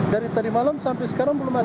dari tadi malam sampai sekarang belum ada